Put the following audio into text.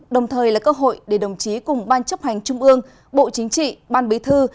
đồng thời là cơ hội để đồng chí cùng ban chấp hành trung ương bộ chính trị ban bí thư